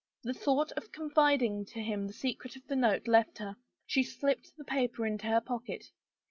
The thought of confiding to him the secret of the note left her. She slipped the paper into her pocket.